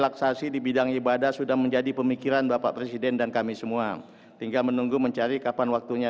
assalamulsalaikum warahmatullahi wabarakatuh